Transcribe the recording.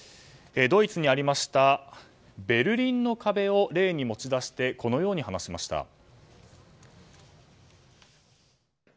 ドイツにありましたベルリンの壁を例に持ち出してこのように話しました。